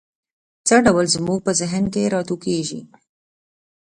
څه ډول زموږ په ذهن کې را ټوکېږي؟